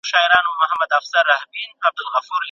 اسلامي حکومت مينځياني او مرييان رانيسي او ازاد ئې کړي